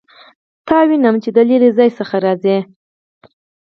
تا وینم چې د لیرې څخه راځې